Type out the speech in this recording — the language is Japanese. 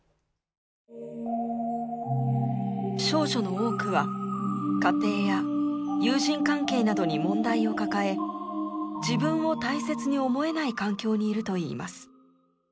少女の多くは家庭や友人関係などに問題を抱え自分を大切に思えない環境にいるといいます。